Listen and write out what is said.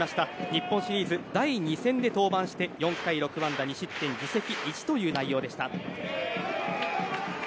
日本シリーズ第２戦で登板して４回６安打２失点自責１という内容でした。